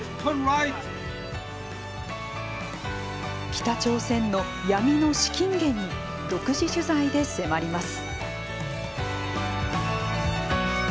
北朝鮮の闇の資金源に独自取材で迫ります。